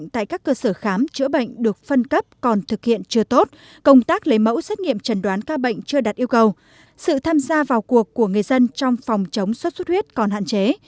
tại các cơ sở khám chữa bệnh được phân cấp còn thực hiện chưa tốt công tác lấy mẫu xét nghiệm trần đoán ca bệnh chưa đạt yêu cầu sự tham gia vào cuộc của người dân trong phòng chống xuất xuất huyết còn hạn chế